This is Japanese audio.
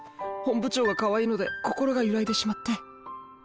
本部長がかわいいので心が揺らいでしまって。